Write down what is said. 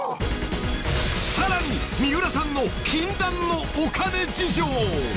［さらに三浦さんの禁断のお金事情］